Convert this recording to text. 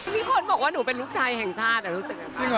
มีคนบอกว่าหนูเป็นลูกชายแห่งชาติรู้สึกห